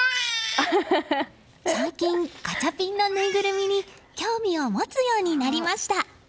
最近ガチャピンのぬいぐるみに興味を持つようになりました。